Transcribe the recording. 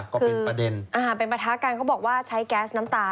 ก็เป็นประเด็นอ่าเป็นประทะกันเขาบอกว่าใช้แก๊สน้ำตา